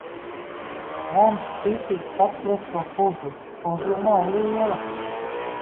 Bērns cītīgi pats liek to puzli. Puzle nav liela.